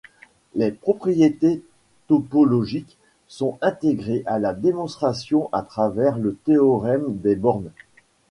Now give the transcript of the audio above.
Les propriétés topologiques sont intégrées à la démonstration à travers le théorème des bornes.